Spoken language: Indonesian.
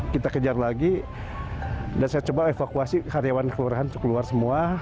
kita kejar lagi dan saya coba evakuasi karyawan kelurahan untuk keluar semua